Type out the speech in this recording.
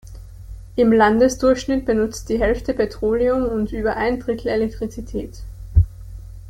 Im Landesdurchschnitt benutzt die Hälfte Petroleum und über ein Drittel Elektrizität.